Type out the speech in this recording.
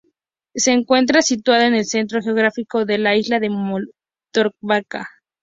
Se encuentra situado en el centro geográfico de la isla de Mallorca.